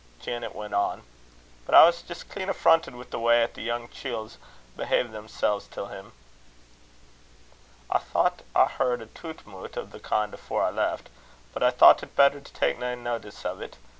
Janet went on: "But I was jist clean affronted wi' the way 'at the young chields behaved themselves till him." "I thocht I heard a toot moot o' that kin' afore I left, but I thocht it better to tak' nae notice o't.